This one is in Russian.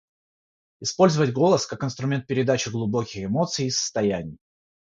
Использовать голос как инструмент передачи глубоких эмоций и состояний.